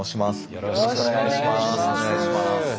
よろしくお願いします。